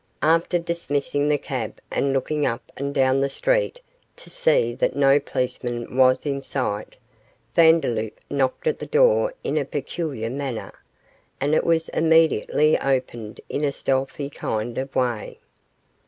After dismissing the cab and looking up and down the street to see that no policeman was in sight, Vandeloup knocked at the door in a peculiar manner, and it was immediately opened in a stealthy kind of way.